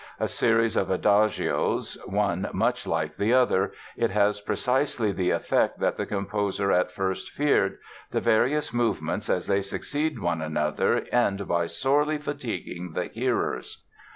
A series of adagios, one much like the other, it has precisely the effect that the composer at first feared: the various movements as they succeed one another end by sorely "fatiguing the hearers".